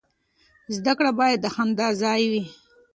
زده کړه باید د خندا ځای وي.